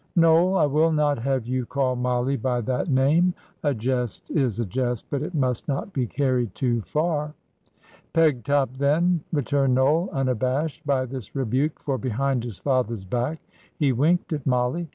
"Noel, I will not have you call Mollie by that name. A jest is a jest, but it must not be carried too far." "Pegtop, then," returned Noel, unabashed by this rebuke, for behind his father's back he winked at Mollie.